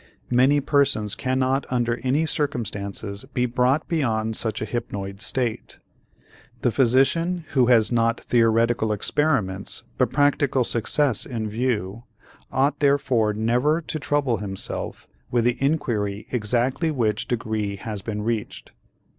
Many persons cannot under any circumstances be brought beyond such a hypnoid degree. The physician who has not theoretical experiments but practical success in view ought therefore never to trouble himself with the inquiry exactly which degree has been reached.